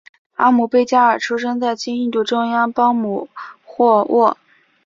阿姆倍伽尔出生在今印度中央邦姆霍沃。